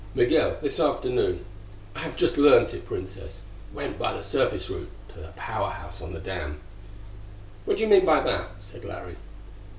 "Migul, this afternoon I have just learned it, Princess went by the surface route to the Power House on the dam." "What do you mean by that?" said Larry.